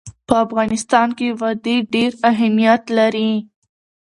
په افغانستان کې وادي ډېر اهمیت لري.